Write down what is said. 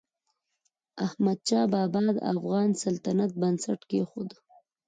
احمدشاه بابا د افغان سلطنت بنسټ کېښود.